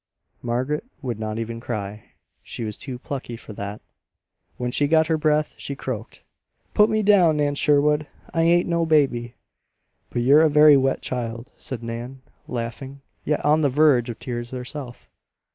Margaret would not even cry. She was too plucky for that. When she got her breath she croaked: "Put me down, Nan Sherwood. I ain't no baby." "But you're a very wet child," said Nan, laughing, yet on the verge of tears herself.